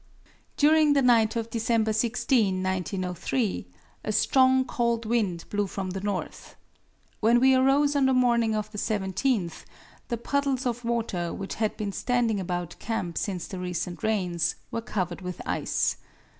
During the night of December 16, 1903, a strong cold wind blew from the north. When we arose on the morning of the 17th, the puddles of water, which had been standing about camp since the recent rains, were covered with ice.